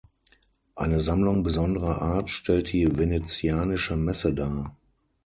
Eine Sammlung besonderer Art stellt die "Venezianische Messe" dar.